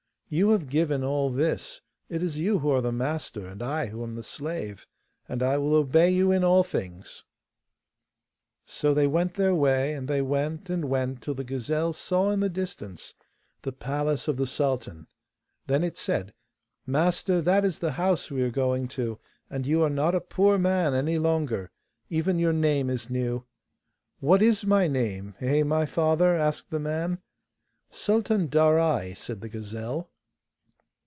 'You have given all this; it is you who are the master, and I who am the slave, and I will obey you in all things.' 'So they went their way, and they went and went till the gazelle saw in the distance the palace of the sultan. Then it said, 'Master, that is the house we are going to, and you are not a poor man any longer: even your name is new.' 'What IS my name, eh, my father?' asked the man. 'Sultan Darai,' said the gazelle.